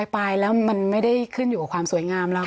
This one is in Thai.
ไปแล้วมันไม่ได้ขึ้นอยู่กับความสวยงามแล้ว